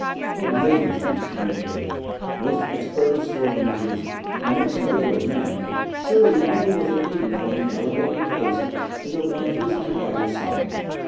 "Oh, Ling," she exclaimed at length, "most expert of sword users and most noble of men, surely never was a maiden more inelegantly placed than the one who is now by your side.